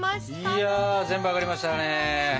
いや全部揚がりましたね。